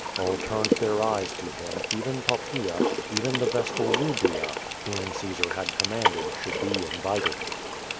All turned their eyes to him, even Poppaea, even the vestal Eubria, whom Caesar had commanded should be invited.